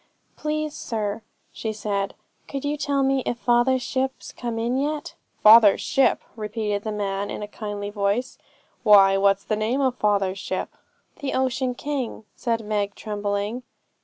'Please, sir,' she said, 'could you tell me if father's ship's come in yet?' 'Father's ship!' repeated the man in a kindly voice. 'Why, what's the name of father's ship?' 'The Ocean King,' said Meg, trembling.